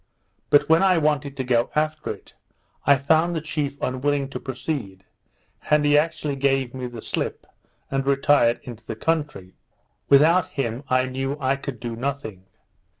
But when I wanted to go after it, I found the chief unwilling to proceed; and he actually gave me the slip; and retired into the country. Without him I knew I could do nothing.